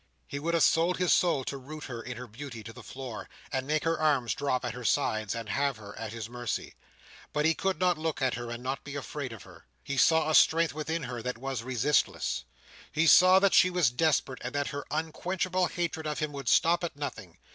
He would have sold his soul to root her, in her beauty, to the floor, and make her arms drop at her sides, and have her at his mercy. But he could not look at her, and not be afraid of her. He saw a strength within her that was resistless. He saw that she was desperate, and that her unquenchable hatred of him would stop at nothing.